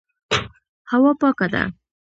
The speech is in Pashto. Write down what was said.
هوا پاکه ده.